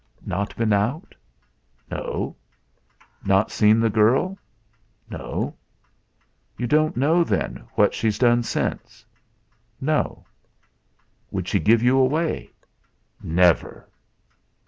"Not been out?" "No." "Not seen the girl?" "No." "You don't know, then, what she's done since?" "No." "Would she give you away?" "Never."